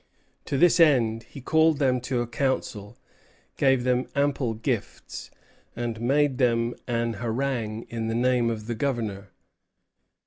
To this end, he called them to a council, gave them ample gifts, and made them an harangue in the name of the Governor.